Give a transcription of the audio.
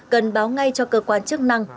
cần báo ngay cho cơ quan chức năng